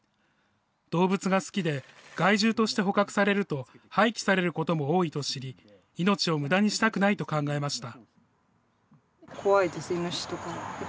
動物が好きで、害獣として捕獲されると廃棄されることも多いと知り、命をむだにしたくないと考えました。